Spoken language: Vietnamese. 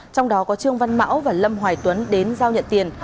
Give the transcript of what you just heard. trong đó có trương văn mão và lâm hoài tuấn đến giao nhận tiền